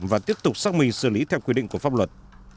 và tiếp tục xác minh xử lý theo quy định của pháp luật